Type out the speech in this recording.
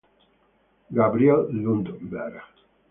Gabriel Lundberg